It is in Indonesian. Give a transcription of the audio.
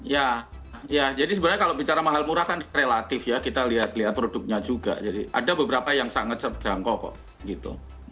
ya ya jadi sebenarnya kalau bicara mahal murah kan relatif ya kita lihat lihat produknya juga jadi ada beberapa yang sangat terjangkau kok gitu